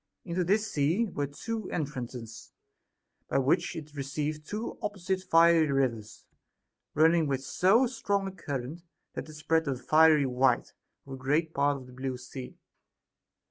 Into this sea were two entrances, by which it received two opposite fiery rivers, running in with so strong a current, that it spread a fiery white over a great part of the blue sea.